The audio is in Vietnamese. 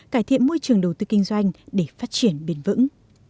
cải thiện môi trường đầu tư kinh doanh để phát triển bền vững